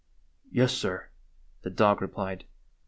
" Yes, sir," the dog replied.